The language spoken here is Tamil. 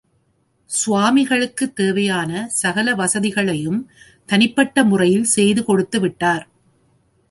சுவாமிகளுக்குத் தேவையான சகல வசதிகளையும் தனிப்பட்ட முறையில் செய்து கொடுத்து விட்டார்.